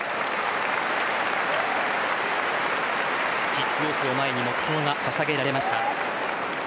キックオフを前に黙とうが捧げられました。